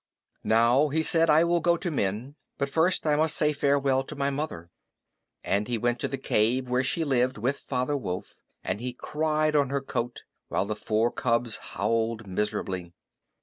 "Now," he said, "I will go to men. But first I must say farewell to my mother." And he went to the cave where she lived with Father Wolf, and he cried on her coat, while the four cubs howled miserably.